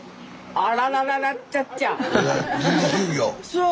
そう。